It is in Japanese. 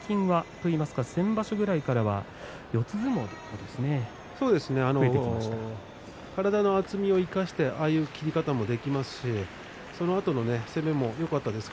先場所ぐらいからは体の厚みを生かしてああいう切り方もできますしそのあとの攻めもよかったです。